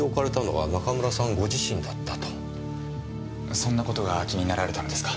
そんな事が気になられたのですか？